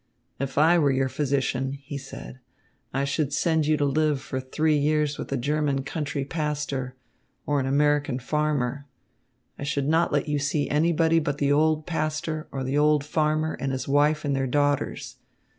"If I were your physician," he said, "I should send you to live for three years with a German country pastor, or an American farmer. I should not let you see anybody but the old pastor or the old farmer and his wife and their daughters.